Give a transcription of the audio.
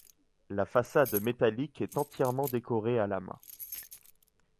La façade métallique est entièrement décorée à la main.